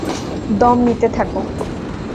দম নিতে থাকো!